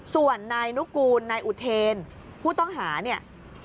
ส่วนนายนุกูลนายอุเทนผู้ต้องหาเนี่ย